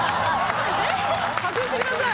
外してください。